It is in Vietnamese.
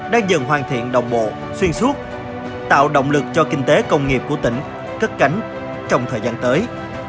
đang dần hoàn thiện đồng bộ xuyên suốt tạo động lực cho kinh tế công nghiệp của tỉnh cất cánh trong thời gian tới